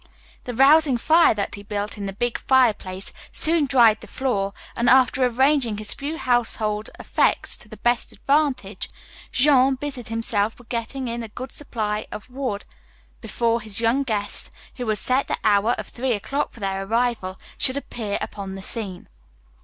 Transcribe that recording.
The rousing fire that he built in the big fireplace soon dried the floor, and after arranging his few household effects to the best advantage, Jean busied himself with getting in a good supply of wood before his young guests, who had set the hour of three o'clock for their arrival, should appear upon the scene.